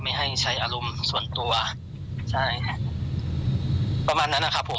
ไม่ให้ใช้อารมณ์ส่วนตัวใช่ค่ะประมาณนั้นนะครับผม